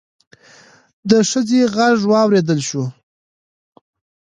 د ښځې غږ واوريدل شو.